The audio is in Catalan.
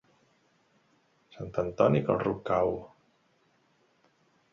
Sant Antoni, que el ruc cau!